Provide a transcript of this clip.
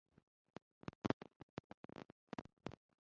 你不能这样做